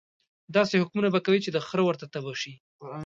داسې حکمونه به کوي چې د خره ورته تبه شي.